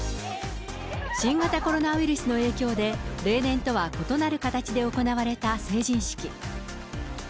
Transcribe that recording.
新型コロナウイルスの影響で、例年とは異なる形で行われた成人式。